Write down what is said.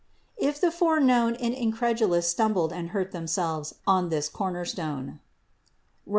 If the foreknown and incredulous stumbled and hurt themselves on this cornerstone (Rom.